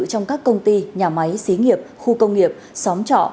trong các công ty nhà máy xí nghiệp khu công nghiệp xóm trọ